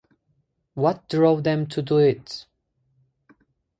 What drove them to do it?